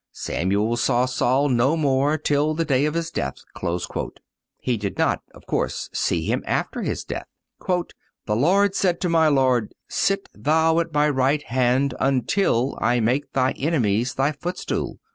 "Samuel saw Saul no more till the day of his death."(226) He did not, of course, see him after death. "The Lord said to my Lord: Sit thou at my right hand until I make thy enemies thy footstool."